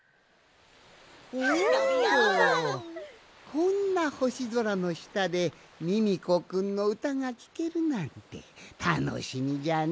こんなほしぞらのしたでミミコくんのうたがきけるなんてたのしみじゃのうココくん。